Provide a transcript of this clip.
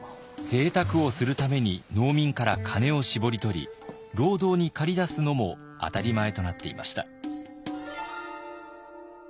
ぜいたくをするために農民から金を搾り取り労働に駆り出すのも当たり前となっていました。